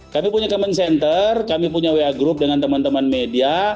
kami punya common center kami punya wa group dengan teman teman media